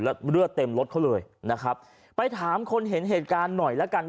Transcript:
แล้วเลือดเต็มรถเขาเลยนะครับไปถามคนเห็นเหตุการณ์หน่อยแล้วกัน